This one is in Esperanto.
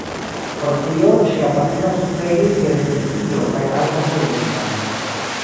Pro tio, ŝia patrino suferis je depresio kaj alkoholismo.